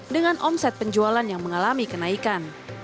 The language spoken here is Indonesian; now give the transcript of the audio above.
dengan omset penjualan yang mengalami kenaikan